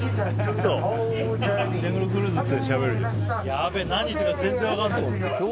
やべえ、何言ってるか全然分かんない。